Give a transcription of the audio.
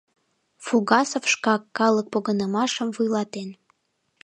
Фугасов шкак калык погынымашым вуйлатен...